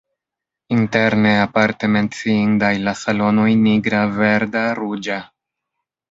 Interne aparte menciindaj la salonoj nigra, verda, ruĝa.